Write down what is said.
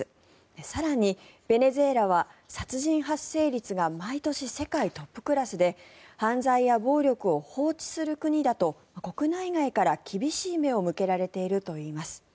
更に、ベネズエラは殺人発生率が毎年世界トップクラスで犯罪や暴力を放置する国だと国内外から厳しい目を向けられているといいます。